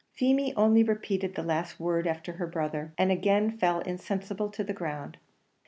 Feemy only repeated the last word after her brother, and again fell insensible on the ground.